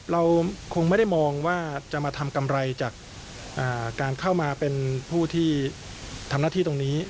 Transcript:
เราคงไม่ได้มองว่าจะมาทำกำไรจากการเข้ามาเป็นผู้ที่ทำหน้าที่ตรงนี้